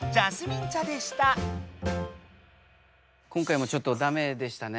今回もちょっとダメでしたね。